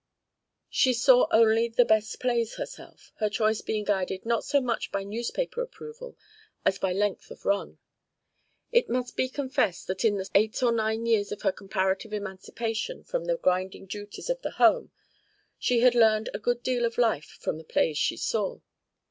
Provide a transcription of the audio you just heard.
She saw only the "best plays" herself, her choice being guided not so much by newspaper approval as by length of run. It must be confessed that in the eight or nine years of her comparative emancipation from the grinding duties of the home she had learned a good deal of life from the plays she saw.